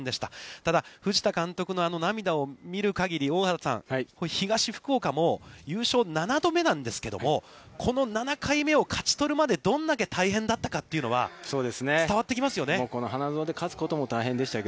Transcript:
ただ、藤田監督のあの涙を見る限り、大畑さん、東福岡も、優勝７度目なんですけども、この７回目を勝ち取るまでどれだけ大変だったかというのは伝わってきますよね。